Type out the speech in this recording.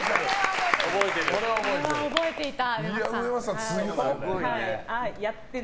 これは覚えてる。